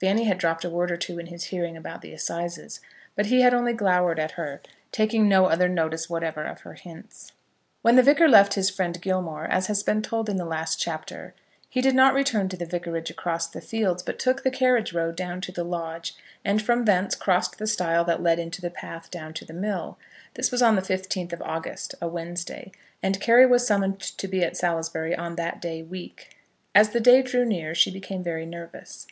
Fanny had dropped a word or two in his hearing about the assizes, but he had only glowered at her, taking no other notice whatever of her hints. When the Vicar left his friend Gilmore, as has been told in the last chapter, he did not return to the vicarage across the fields, but took the carriage road down to the lodge, and from thence crossed the stile that led into the path down to the mill. This was on the 15th of August, a Wednesday, and Carry was summoned to be at Salisbury on that day week. As the day drew near she became very nervous.